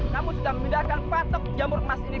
namun sudah memindahkan patok jamur emas ini